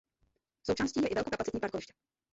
Součástí je i velkokapacitní parkoviště.